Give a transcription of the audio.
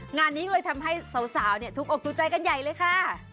งานนี้เลยทำให้สาวถูกอกถูกใจกันใหญ่เลยค่ะ